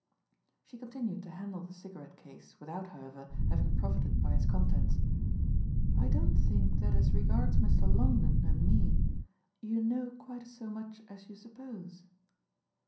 She continued to handle the cigarette case, without, however, having profited by its contents. "I don't think that as regards Mr. Longdon and me you know quite so much as you suppose."